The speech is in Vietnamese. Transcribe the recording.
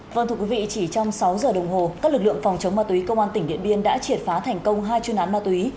vâng thưa quý vị chỉ trong sáu giờ đồng hồ các lực lượng phòng chống ma túy công an tỉnh điện biên đã triệt phá thành công hai chuyên án ma túy